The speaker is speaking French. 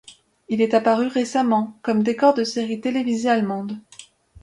Il est apparu récemment comme décor de séries télévisées allemandes.